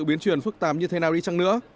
biến truyền phức tạp như thế nào đi chăng nữa